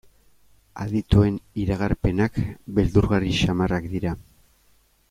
Adituen iragarpenak beldurgarri samarrak dira.